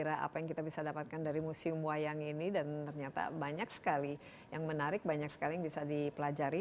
apa yang kita bisa dapatkan dari museum wayang ini dan ternyata banyak sekali yang menarik banyak sekali yang bisa dipelajari